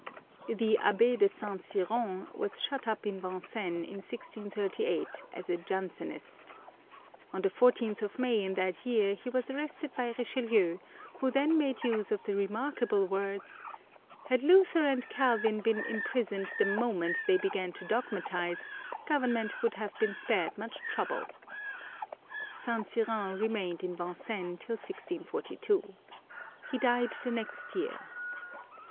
The Abb^ de Saint Cyran was shut up in Vincennes in 1638 as a Jansenist On the 14th of May in that year he was arrested by Richelieu, who then made use of the remarkable words, " Had Luther and Calvin been imprisoned the moment they began to dogmatise, Government would have been spared much trouble." Saint Cyran remained in Vincennes till 1642. He died the next year.